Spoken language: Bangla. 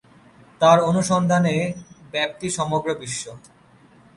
তার অনুসন্ধানের ব্যপ্তি সমগ্র বিশ্ব।